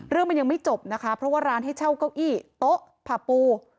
เรื่องมันยังไม่จบนะคะเพราะว่าร้านให้เช่าเก้าอี้โต๊ะผ่าปู